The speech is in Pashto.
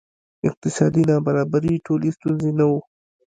اقتصادي نابرابري ټولې ستونزې نه وه.